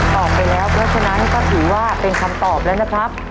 ตอบไปแล้วเพราะฉะนั้นก็ถือว่าเป็นคำตอบแล้วนะครับ